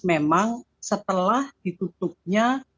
memang setelah ditutupnya